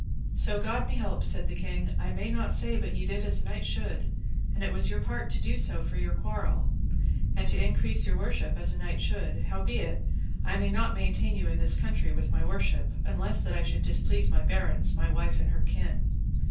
So God me help, said the king, I may not say but ye did as a knight should, and it was your part to do for your quarrel, and to increase your worship as a knight should; howbeit I may not maintain you in this country with my worship, unless that I should displease my barons, and my wife and her kin.